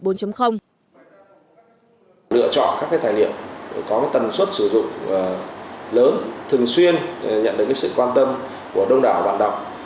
các tài liệu có tần suất sử dụng lớn thường xuyên nhận được sự quan tâm của đông đảo vạn đọc